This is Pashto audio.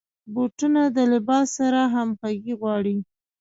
بوټونه د لباس سره همغږي غواړي.